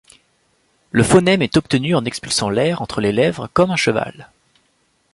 Le phonème est obtenu en expulsant l'air entre les lèvres, comme un cheval.